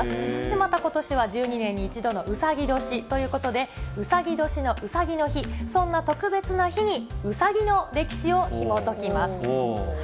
またことしは１２年に１度のうさぎ年ということで、うさぎ年のうさぎの日、そんな特別な日に、うさぎの歴史をひもときます。